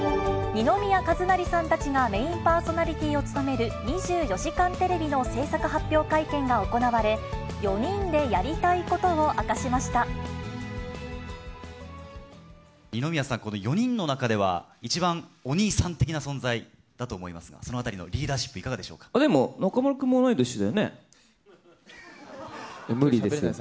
二宮和也さんたちがメインパーソナリティーを務める２４時間テレビの制作発表会見が行われ、４人でやりたいことを明かしまし二宮さん、この４人の中では、一番お兄さん的な存在だと思いますが、そのあたりのリーダーシッでも、中丸君も同じ年だよね。